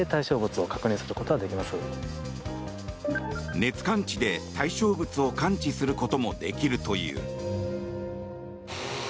熱感知で対象物を感知することもできるという。